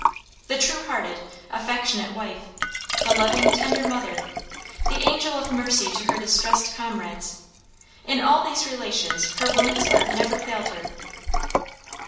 The true hearted, affectionate wife, the loving, tender mother, the angel of mercy to her distressed comrades in all these relations her woman's heart never failed her.